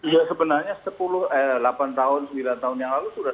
ya sebenarnya delapan tahun sembilan tahun yang lalu sudah